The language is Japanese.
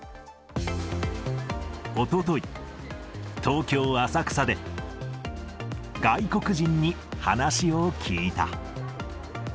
おととい、東京・浅草で、外国人に話を聞いた。